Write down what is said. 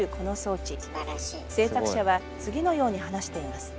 製作者は次のように話しています。